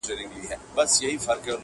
زموږ يقين دئ عالمونه به حيران سي!!